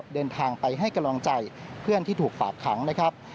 เดินทางไปให้กำลังใจเพื่อนที่ถูกฝากขังนะครับ